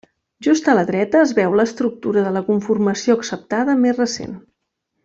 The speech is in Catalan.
Just a la dreta es veu l'estructura de la conformació acceptada més recent.